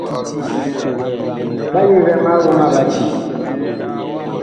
Ɓa yigɛ ma woŋ a Ɓacii.